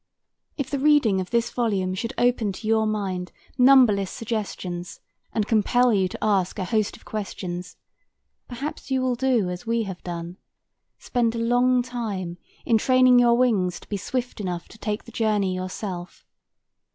If the reading of this volume should open to your mind numberless suggestions and compel you to ask a host of questions, perhaps you will do as we have done, spend a long time in training your wings to be swift enough to take the journey yourself.